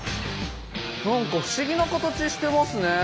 なんか不思議な形してますね。